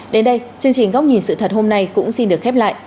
đến đây chương trình góc nhìn sự thật hôm nay cũng xin được khép lại